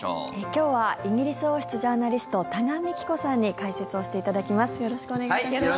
今日はイギリス王室ジャーナリスト多賀幹子さんに解説をしていただきます。